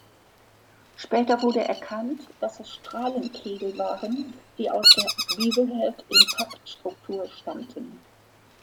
Später wurde erkannt, dass es Strahlenkegel waren, die aus der Beaverhead-Impaktstruktur stammten.